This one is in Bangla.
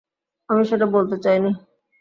আমি সেটা বলতে চাইনি।